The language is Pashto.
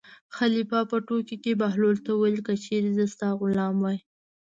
خلیفه په ټوکو کې بهلول ته وویل: که چېرې زه ستا غلام وای.